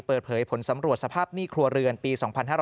เปิดเผยผลสำรวจสภาพหนี้ครัวเรือนปี๒๕๕๙